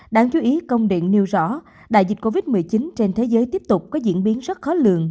đáng chú ý công điện nêu rõ đại dịch covid một mươi chín trên thế giới tiếp tục có diễn biến rất khó lường